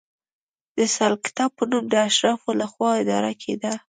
د سلکتا په نوم د اشرافو له خوا اداره کېده.